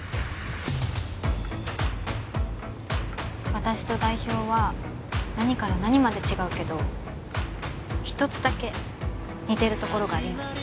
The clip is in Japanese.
私と代表は何から何まで違うけど一つだけ似てるところがありますね。